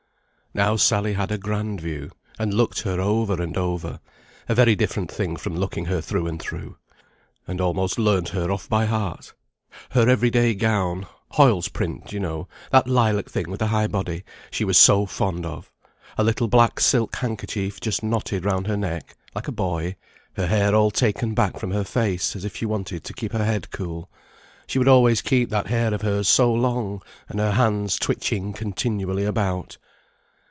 Now Sally had a grand view, and looked her over and over (a very different thing from looking her through and through), and almost learnt her off by heart; "her every day gown (Hoyle's print you know, that lilac thing with the high body) she was so fond of; a little black silk handkerchief just knotted round her neck, like a boy; her hair all taken back from her face, as if she wanted to keep her head cool she would always keep that hair of hers so long; and her hands twitching continually about."